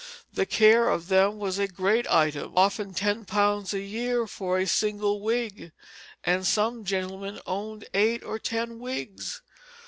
The care of them was a great item, often ten pounds a year for a single wig, and some gentlemen owned eight or ten wigs.